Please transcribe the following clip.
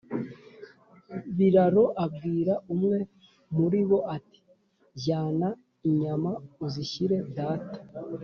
Biraro abwira umwe muri bo ati: "Jyana inyama uzishyire data,